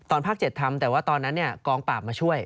ภาค๗ทำแต่ว่าตอนนั้นกองปราบมาช่วย